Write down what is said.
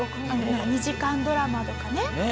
２時間ドラマとかね。